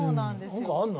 何かあるの？